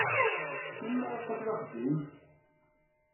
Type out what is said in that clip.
Melmi ara tfakeḍ axeddim?